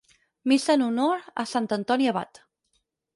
Missa en honor a Sant Antoni Abat.